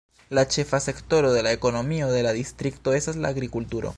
La ĉefa sektoro de la ekonomio de la distrikto estas la agrikulturo.